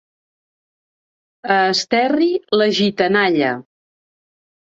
A Esterri, la gitanalla.